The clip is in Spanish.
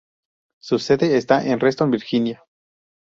Su sede está en Reston, Virginia.